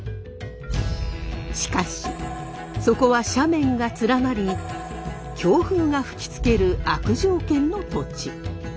しかしそこは斜面が連なり強風が吹きつける悪条件の土地。